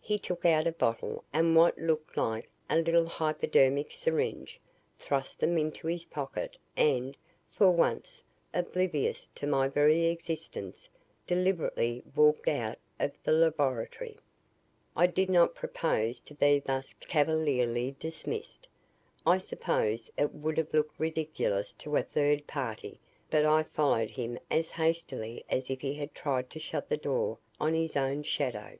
He took out a bottle and what looked like a little hypodermic syringe, thrust them into his pocket and, for once, oblivious to my very existence, deliberately walked out of the laboratory. I did not propose to be thus cavalierly dismissed. I suppose it would have looked ridiculous to a third party but I followed him as hastily as if he had tried to shut the door on his own shadow.